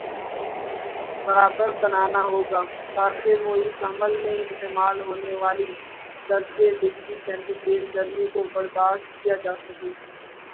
برابر بنانا ہوگا تاکہ وہ اس عمل میں استعمال ہونے والی درجے ڈگری سینٹی گریڈگرمی کو برداشت کیا جا سکے